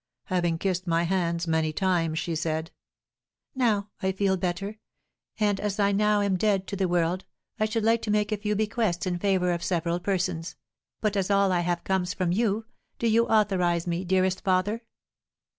Having kissed my hands many times, she said: "Now I feel better, and, as now I am dead to the world, I should like to make a few bequests in favour of several persons; but as all I have comes from you, do you authorise me, dearest father?"